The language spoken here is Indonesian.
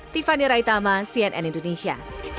tiffany raitama cnn indonesia